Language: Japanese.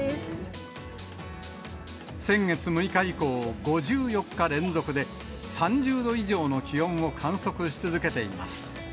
先月６日以降、５４日連続で３０度以上の気温を観測し続けています。